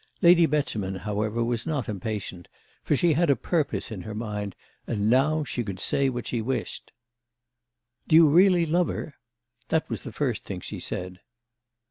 Lady Beauchemin, however, was not impatient, for she had a purpose in her mind, and now she could say what she wished. "Do you really love her?" That was the first thing she said.